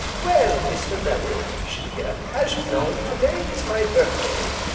"Well, Mr. Bellew," she began, "as you know, to day is my birthday.